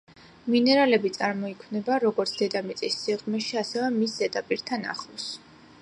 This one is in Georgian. მინერალები წარმოიქმნება, როგორც დედამიწის სიღრმეში, ასევე მის ზედაპირთან ახლოს.